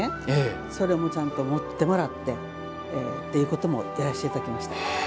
それも持ってもらってっていうこともやらせていただきました。